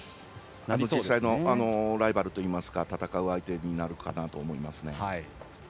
実際のライバルというか戦う相手になると思います。